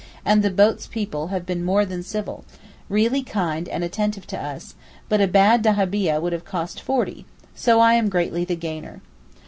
and the boat's people have been more than civil, really kind and attentive to us; but a bad dahabieh would have cost forty, so I am greatly the gainer.